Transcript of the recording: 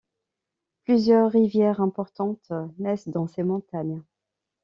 Plusieurs rivières importantes naissent dans ces montagnes.